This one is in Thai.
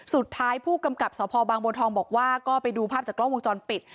สุดท้ายผู้กำกับสบบนทองบอกว่าก็ไปดูภาพจากกล้องวงจรปิด